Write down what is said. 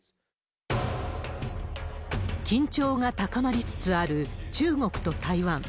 緊張が高まりつつある、中国と台湾。